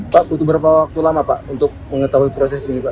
pak butuh berapa waktu lama pak untuk mengetahui proses ini pak